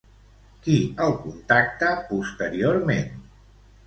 Qui el contacta posteriorment?